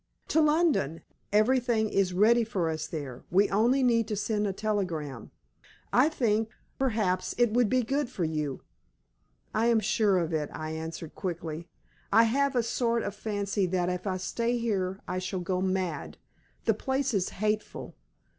"To London. Everything is ready for us there; we only need to send a telegram. I think perhaps it would be good for you." "I am sure of it," I answered, quickly. "I have a sort of fancy that if I stay here I shall go mad. The place is hateful."